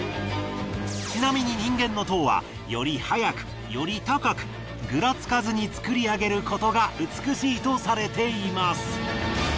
ちなみに人間の塔はより早くより高くぐらつかずに作り上げることが美しいとされています。